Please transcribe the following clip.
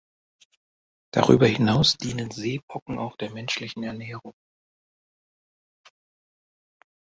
Darüber hinaus dienen Seepocken auch der menschlichen Ernährung.